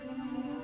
aku sudah berjalan